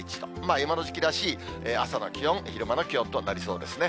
今の時期らしい朝の気温、昼間の気温となりそうですね。